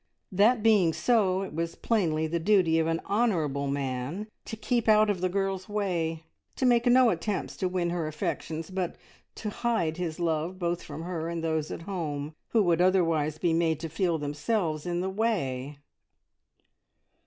That being so, it was plainly the duty of an honourable man to keep out of the girl's way, to make no attempt to win her affections, but to hide his love both from her and those at home, who would otherwise be made to feel themselves in the way.